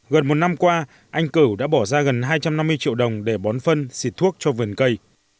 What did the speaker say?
gần một năm qua anh cửu đã bỏ ra gần hai trăm năm mươi triệu đồng để bón phân xịt thuốc cho vườn cây